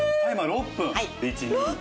６分！？